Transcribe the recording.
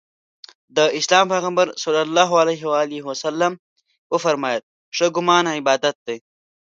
د اسلام پیغمبر ص وفرمایل ښه ګمان عبادت دی.